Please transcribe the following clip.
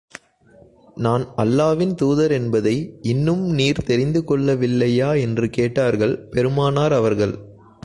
நான் அல்லாஹ்வின் தூதர் என்பதை, இன்னும் நீர் தெரிந்து கொள்ளவில்லையா என்று கேட்டார்கள் பெருமானார் அவர்கள்.